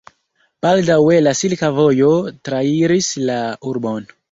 Baldaŭe la silka vojo trairis la urbon.